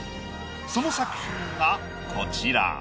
その作品がこちら。